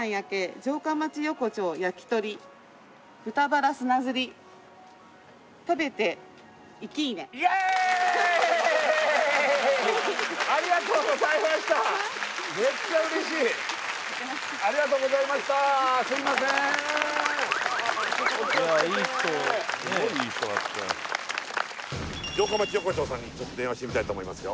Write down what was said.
城下町横丁さんにちょっと電話してみたいと思いますよ